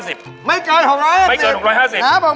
มีความรู้สึกว่า